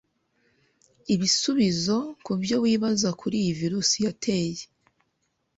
Ibisubizo ku byo wibaza kuri iyi Virus yateye